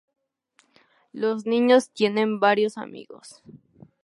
Los niños tienen varios amigos.